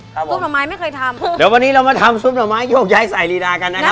ซุปหน่อไม้ไม่เคยทำเดี๋ยววันนี้เรามาทำซุปหน่อไม้โยกย้ายใส่รีดากันนะครับ